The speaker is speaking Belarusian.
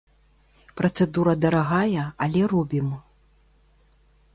Працэдура дарагая, але робім.